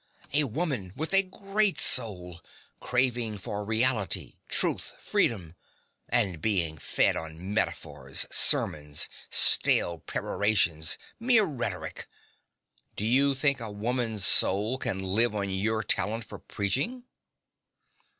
A woman, with a great soul, craving for reality, truth, freedom, and being fed on metaphors, sermons, stale perorations, mere rhetoric. Do you think a woman's soul can live on your talent for preaching?